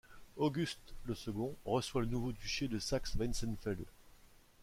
Auguste, le second, reçoit le nouveau duché de Saxe-Weissenfels.